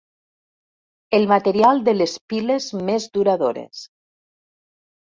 El material de les piles més duradores.